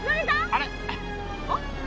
あれ？